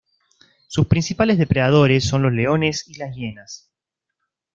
Sus principales depredadores son los leones y las hienas.